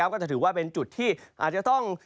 ก็จะถือว่าเป็นจุดที่อาจจะต้อง